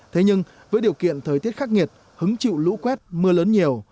thế nhưng với điều kiện thời tiết khắc nghiệt hứng chịu lũ quét mưa lớn nhiều